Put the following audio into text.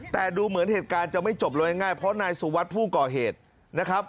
แต่ดูเหมือนเหตุการณ์จะไม่จบเลยง่ายเพราะนายสุวัสดิ์ผู้ก่อเหตุนะครับ